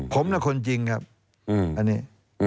ผมและคนจริงครับอันนี้